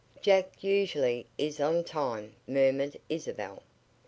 "Jack usually is on time," murmured Isabel.